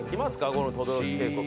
この等々力渓谷。